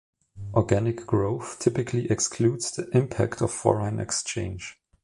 Organic growth typically excludes the impact of foreign exchange.